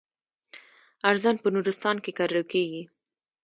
ارزن په نورستان کې کرل کیږي.